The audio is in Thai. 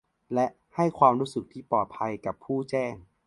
และ ให้ความรู้สึกที่ปลอดภัยกับผู้แจ้ง